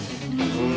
うん！